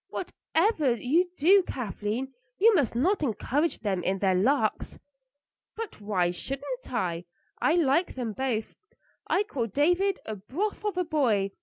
Whatever you do, Kathleen, you must not encourage them in their larks." "But why shouldn't I? I like them both. I call David a broth of a boy.